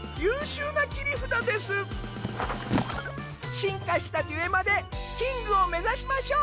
進化したデュエマでキングを目指しましょう。